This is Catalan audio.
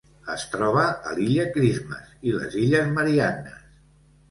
Es troba a l'Illa Christmas i les Illes Mariannes.